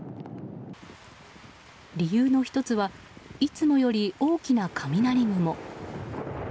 理由の１つはいつもより大きな雷雲。